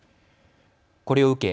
これを受け